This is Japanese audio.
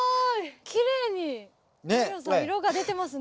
きれいに太陽さん色が出てますね。